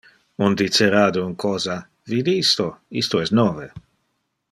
On dicera de un cosa: vide isto, isto es nove.